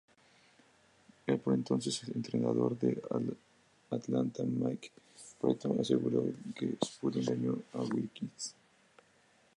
El por entonces entrenador de Atlanta, Mike Fratello, aseguró que “Spud engañó a Wilkins.